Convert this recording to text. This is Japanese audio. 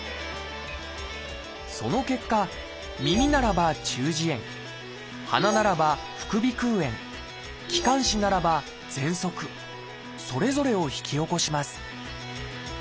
その結果耳ならば「中耳炎」鼻ならば「副鼻腔炎」気管支ならば「ぜんそく」それぞれを引き起こします